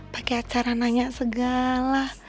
pakai acara nanya segala